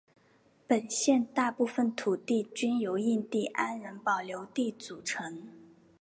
本县大部份土地均由印第安人保留地组成。